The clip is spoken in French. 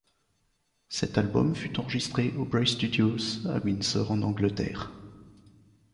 Cet album fut enregistré aux Bray Studios à Windsor en Angleterre.